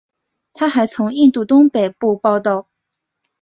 他还从印度东北部报道。